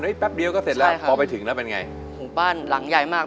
แป๊บเดียวก็เสร็จแล้วพอไปถึงแล้วเป็นไงบ้านหลังใหญ่มาก